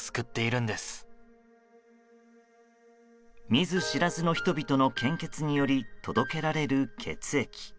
見ず知らずの人々の献血により届けられる血液。